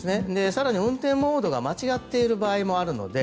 更に運転モードが間違ってる場合もあるので。